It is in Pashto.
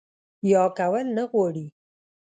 يا کول نۀ غواړي